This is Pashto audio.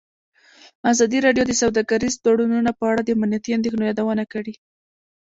ازادي راډیو د سوداګریز تړونونه په اړه د امنیتي اندېښنو یادونه کړې.